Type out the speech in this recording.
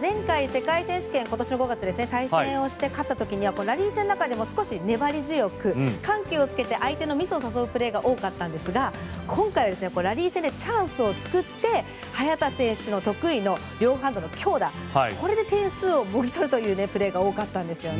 前回、世界選手権今年の５月で対戦をして勝った時には粘り強く緩急をつけて相手のミスを誘うプレーが多かったんですが今回、ラリー戦でチャンスを作って早田選手の得意の強打で点数をもぎ取るというプレーが多かったんですよね。